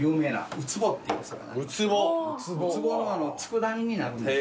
ウツボの佃煮になるんです。